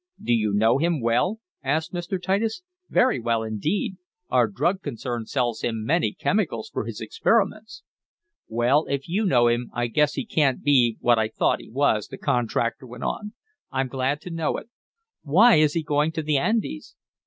"Do you know him well?" asked Mr. Titus. "Very well indeed. Our drug concern sells him many chemicals for his experiments." "Well, if you know him I guess he can't be what I thought he was," the contractor went on. "I'm glad to know it. Why is he going to the Andes?"